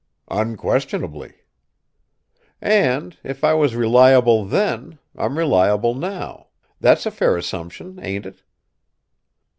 "Unquestionably." "And, if I was reliable then, I'm reliable now. That's a fair assumption, ain't it?"